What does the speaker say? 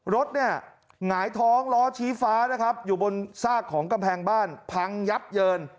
รถเนี่ยหงายท้องล้อชี้ฟ้านะครับอยู่บนซากของกำแพงบ้านพังยับเยิน